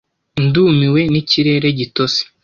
Ndumiwe nikirere gitose.